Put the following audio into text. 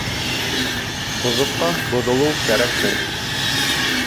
Боҙоҡҡа боҙолоу кәрәкмәй.